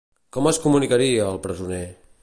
Com es comunicaria el presoner?